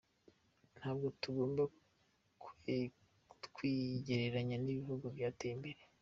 Ntabwo tugomba kwigereranya n’ibihugu byateye imbere.